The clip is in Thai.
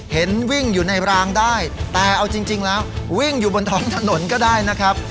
เห็นวิ่งอยู่ในรางได้แต่เอาจริงแล้ววิ่งอยู่บนท้องถนนก็ได้นะครับ